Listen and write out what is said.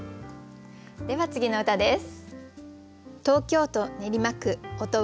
では次の歌です。